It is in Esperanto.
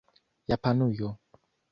Japanujo